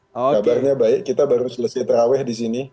kabarnya baik kita baru selesai terawih di sini